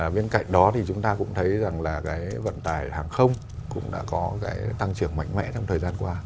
bên cạnh đó thì chúng ta cũng thấy vận tải hàng không cũng đã có tăng trưởng mạnh mẽ trong thời gian qua